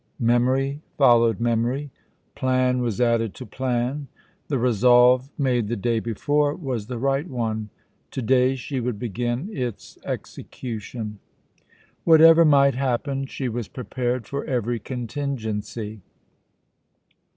Memory followed memory, plan was added to plan. The resolve made the day before was the right one. To day she would begin its execution. Whatever might happen, she was prepared for every contingency.